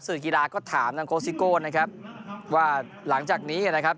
สื่อกีฬาก็ถามนะนะครับว่าหลังจากนี้น่ะครับ